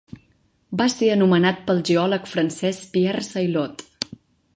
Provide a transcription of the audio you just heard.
Va ser anomenat pel geòleg francès, Pierre Saliot.